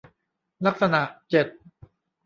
ลักษณะเจ็ด